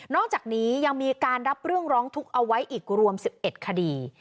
อกจากนี้ยังมีการรับเรื่องร้องทุกข์เอาไว้อีกรวม๑๑คดี